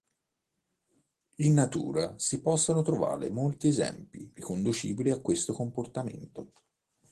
In natura si possono trovare molti esempi riconducibili a questo comportamento.